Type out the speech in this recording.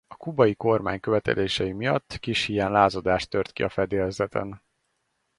A kubai kormány követelései miatt kis híján lázadás tört ki a fedélzeten.